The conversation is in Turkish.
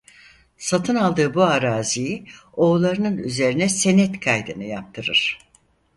Satın aldığı bu araziyi oğullarının üzerine senet kaydını yaptırır.